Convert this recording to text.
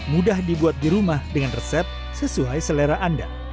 mudah dibuat di rumah dengan resep sesuai selera anda